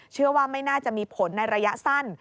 เชื่อว่าไม่น่าจะมีผลในระยะสั้น